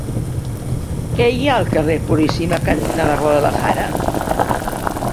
Què hi ha al carrer Puríssima cantonada Guadalajara?